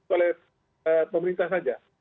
oleh pemerintah saja